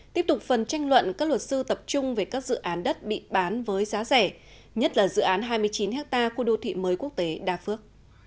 tiếp tục phần tranh luận các luật sư tập trung về các dự án đất bị bán với giá rẻ nhất là dự án hai mươi chín ha khu đô thị mới quốc tế đa phước